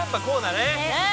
「ねえ。